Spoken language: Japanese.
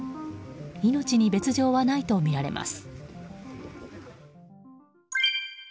命に別条はないとみられます。